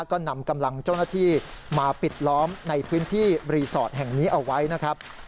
ก็นำกำลังเจ้าหน้าที่มาปิดล้อมในพื้นที่รีสอร์ทแห่งนี้เอาไว้นะครับ